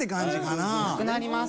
なくなります